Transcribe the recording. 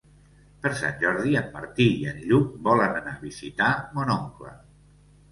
Per Sant Jordi en Martí i en Lluc volen anar a visitar mon oncle.